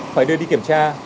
phải đưa đi kiểm tra